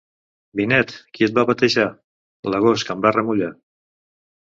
Vinet, qui et va batejar? L'agost que em va remullar.